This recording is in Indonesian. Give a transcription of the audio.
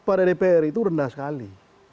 pada dpr itu rendah sekali